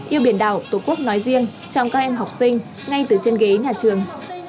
yêu biển đảo tổ quốc nói riêng trong các em học sinh ngay từ trên ghế nhà trường